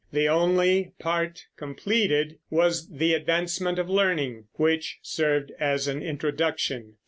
The only part completed was The Advancement of Learning, which served as an introduction.